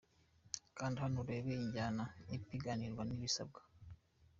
Kanda hano urebe imyanya ipiganirwa n’ibisabwa :.